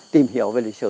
tìm hiểu về lịch sử